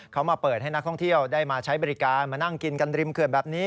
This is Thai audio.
เขามาเปิดให้นักท่องเที่ยวได้มาใช้บริการมานั่งกินกันริมเขื่อนแบบนี้